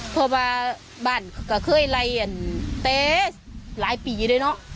เพราะว่าบ้านก็เคยไล่เต๊ะหลายปีเลยเนอะ